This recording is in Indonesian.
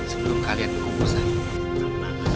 sebelum kalian berhubung